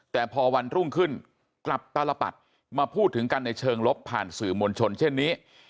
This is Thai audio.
แต่พอวันรุ่งขึ้นกลับตลปัดมาพูดถึงกันในเชิงลบผ่านสื่อมวลชนเช่นนี้